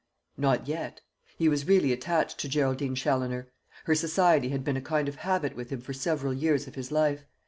Not yet. He was really attached to Geraldine Challoner. Her society had been a kind of habit with him for several years of his life.